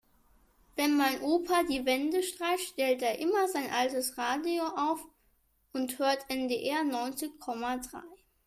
Wenn mein Opa die Wände streicht, stellt er immer sein altes Radio auf und hört NDR neunzig Komma drei.